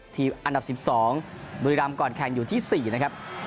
อันดับ๑๒บุรีรำก่อนแข่งอยู่ที่๔นะครับ